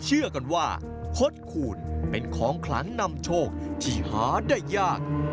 เชื่อกันว่าคดคูณเป็นของขลังนำโชคที่หาได้ยาก